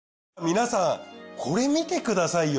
皆さんこれ見てくださいよ。